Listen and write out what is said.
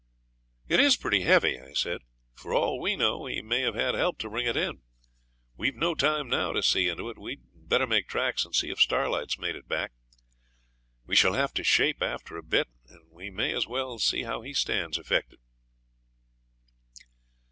'It IS pretty heavy,' I said. 'For all we know he may have had help to bring it in. We've no time now to see into it; we'd better make tracks and see if Starlight has made back. We shall have to shape after a bit, and we may as well see how he stands affected.'